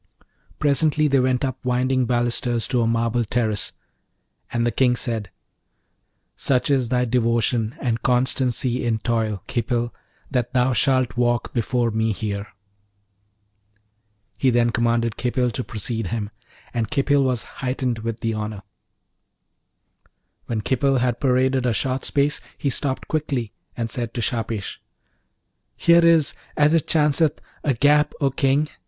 Presently they went up winding balusters to a marble terrace, and the King said, 'Such is thy devotion and constancy in toil, Khipil, that thou shaft walk before me here.' He then commanded Khipil to precede him, and Khipil was heightened with the honour. When Khipil had paraded a short space he stopped quickly, and said to Shahpesh, 'Here is, as it chanceth, a gap, O King!